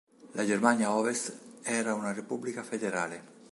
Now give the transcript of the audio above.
La Germania Ovest era una Repubblica federale.